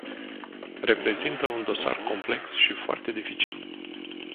Reprezintă un dosar complex și foarte dificil.